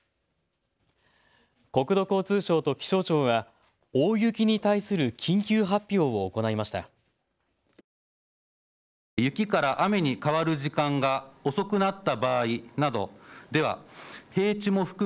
国土交通省と気象庁は大雪に対する緊急発表を行いました。